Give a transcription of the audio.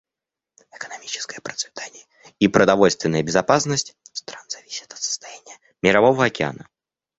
Экономическое процветание и продовольственная безопасность стран зависят от состояния Мирового океана.